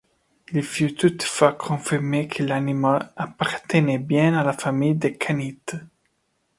Il fut toutefois confirmé que l'animal appartenait bien à la famille des canidés.